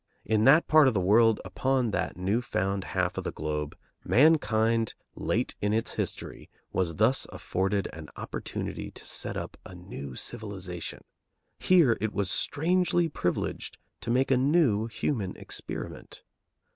In that part of the world, upon that new found half of the globe, mankind, late in its history, was thus afforded an opportunity to set up a new civilization; here it was strangely privileged to make a new human experiment.